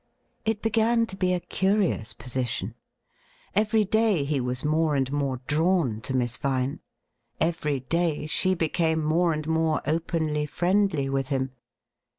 It began to be a curious position. Every day he was more and more drawn to Miss Vine. Every day she became more and more openly friendly with him.